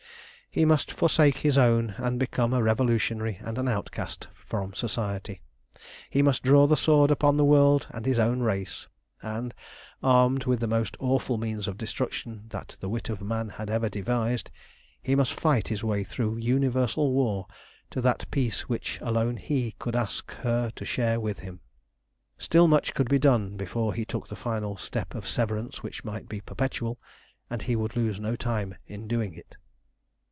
He must forsake his own, and become a revolutionary and an outcast from Society. He must draw the sword upon the world and his own race, and, armed with the most awful means of destruction that the wit of man had ever devised, he must fight his way through universal war to that peace which alone he could ask her to share with him. Still much could be done before he took the final step of severance which might be perpetual, and he would lose no time in doing it.